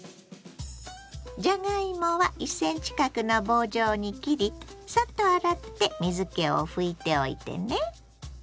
じゃがいもは１ｃｍ角の棒状に切りサッと洗って水けを拭いておいてね。